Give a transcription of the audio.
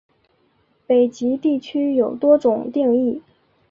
北极地区有多种定义。